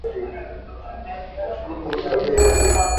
Ni muhimu kukomesha tabia hiyo pia